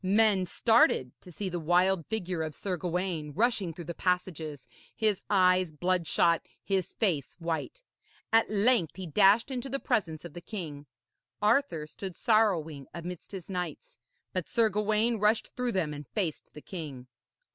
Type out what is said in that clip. Men started to see the wild figure of Sir Gawaine rushing through the passages, his eyes bloodshot, his face white. At length he dashed into the presence of the king. Arthur stood sorrowing amidst his knights, but Sir Gawaine rushed through them and faced the king.